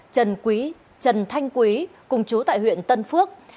trần quý trần thanh quý cùng chú tại huyện tân phước